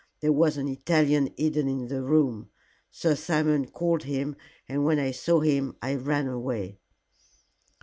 There was an Italian hidden in the room. Sir Simon called him, and when I saw him I ran away."